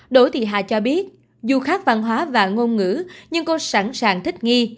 đỗ thị hà cho biết dù khác văn hóa và ngôn ngữ nhưng cô sẵn sàng thích nghi